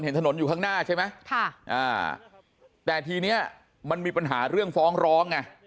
เห็นถนนอยู่ข้างหน้าใช่ไหมแต่ทีนี้มันมีปัญหาเรื่องฟ้องร้องไง